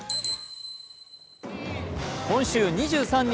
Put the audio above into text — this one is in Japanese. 今週２３日